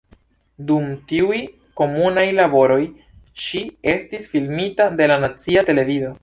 Dum tiuj komunaj laboroj ŝi estis filmita de la nacia televido.